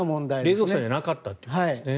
冷蔵車じゃなかったというんですね。